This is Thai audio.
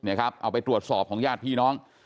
เอาไปตรวจสอบของญาติพี่น้อง